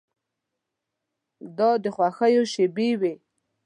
دا د خوښیو شېبې وې.